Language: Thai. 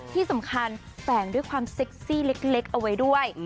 ที่สำคัญแฝงด้วยความเซ็กซี่เล็กเอาไว้ด้วย